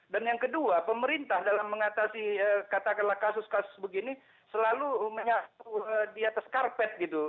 dan yang kedua pemerintah dalam mengatasi katakanlah kasus kasus begini selalu menyatu di atas karpet gitu